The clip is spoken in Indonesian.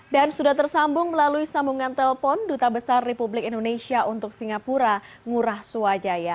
dan sudah tersambung melalui sambungan telpon duta besar republik indonesia untuk singapura ngurah suwajaya